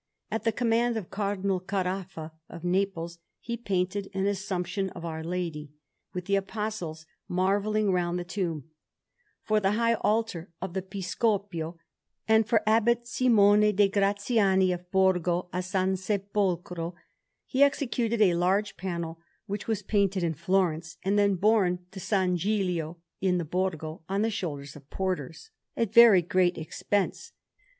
At the command of Cardinal Caraffa of Naples he painted an Assumption of Our Lady, with the Apostles marvelling round the tomb, for the high altar of the Piscopio; and for Abbot Simone de' Graziani of Borgo a San Sepolcro he executed a large panel, which was painted in Florence, and then borne to S. Gilio in the Borgo on the shoulders of porters, at very great expense.